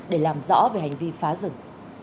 để làm rõ về hành vi phá rừng